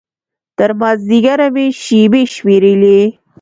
تر مازديګره مې شېبې شمېرلې.